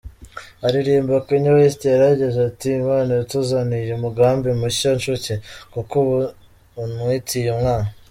Aririmba, Kanye West yaragize ati “Imana yatuzaniye umugambi mushya nshuti ! ’Kuko ubu untwitiye umwana.